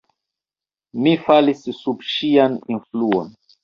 Mi falis sub ŝian influon.